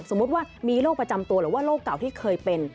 สมมุติว่ามีโรคประจำตัวหรือว่าโรคเก่าที่เคยเป็น